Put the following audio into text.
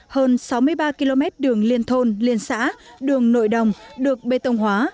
hơn sáu mươi ba km đường liên thôn liên xã đường nội đồng được bê tông hóa